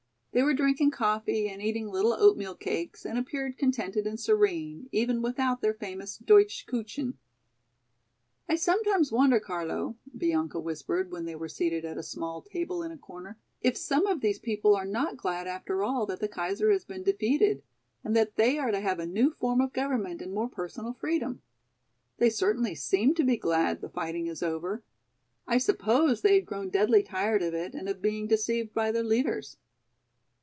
They were drinking coffee and eating little oatmeal cakes and appeared contented and serene, even without their famous "Deutsche kuchen." "I sometimes wonder, Carlo," Bianca whispered, when they were seated at a small table in a corner, "if some of these people are not glad after all that the Kaiser has been defeated and that they are to have a new form of government and more personal freedom? They certainly seem to be glad the fighting is over. I suppose they had grown deadly tired of it and of being deceived by their leaders."